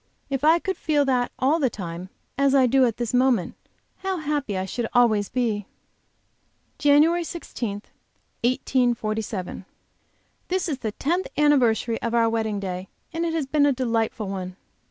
If I could feel that all the time, as I do at this moment, how happy I should always be! JANUARY 16, 1847. This is the tenth anniversary of our wedding day, and it has been a delightful one.